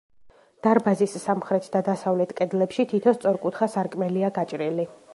დარბაზის სამხრეთ და დასავლეთ კედლებში თითო სწორკუთხა სარკმელია გაჭრილი.